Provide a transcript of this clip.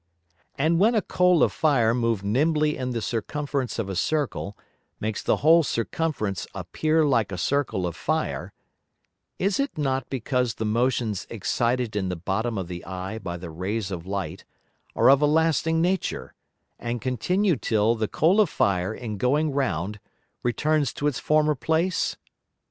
And when a Coal of Fire moved nimbly in the circumference of a Circle, makes the whole circumference appear like a Circle of Fire; is it not because the Motions excited in the bottom of the Eye by the Rays of Light are of a lasting nature, and continue till the Coal of Fire in going round returns to its former place?